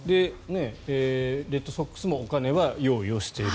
レッドソックスもお金は用意をしている。